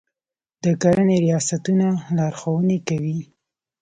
د کرنې ریاستونه لارښوونې کوي.